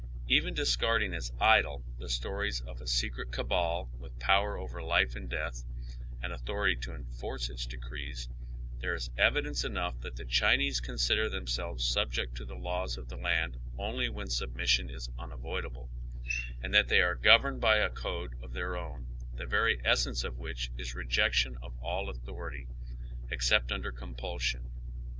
Even discarding as idle the stories of a secret cabal with power over life and death, and anthority to enforce its decrees, there is evidence enough that the Chinese consider them selves subject to the laws of the land only when submis sion is unavoidable, and that they are governed by a code of their own, the very essence of which is rejection of all other authority except under compulsion.